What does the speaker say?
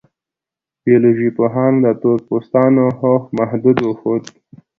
بیولوژي پوهانو د تور پوستانو هوښ محدود وښود.